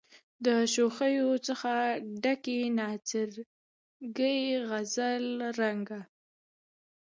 د شوخیو څخه ډکي نڅاګرې غزل رنګه